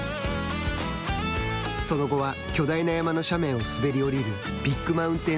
その後は巨大な山の斜面を滑り降りるビッグマウンテン